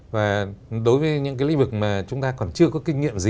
và đối với những cái lĩnh vực mà chúng ta còn chưa có kinh nghiệm gì